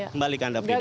kembali ke anda frida